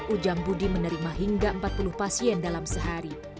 ujang budi menerima hingga empat puluh pasien dalam sehari